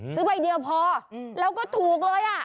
ใบเดียวพอแล้วก็ถูกเลย